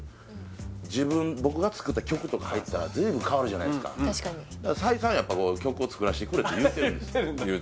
自分僕が作った曲とか入ったら随分変わるじゃないですかだから再三曲を作らせてくれって言うてるんですよね